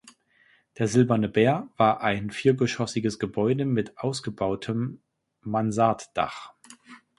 Der Silberne Bär war ein viergeschossiges Gebäude mit ausgebautem Mansarddach.